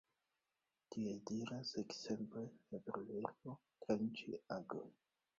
Tiel diras ekzemple la proverbo 'tranĉi aglon'.